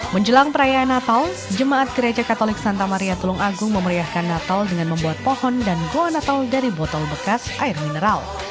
menjelang perayaan natal jemaat gereja katolik santa maria tulung agung memeriahkan natal dengan membuat pohon dan goa natal dari botol bekas air mineral